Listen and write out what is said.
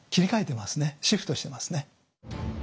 シフトしてますね。